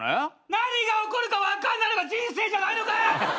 何が起こるか分かんないのが人生じゃないのか！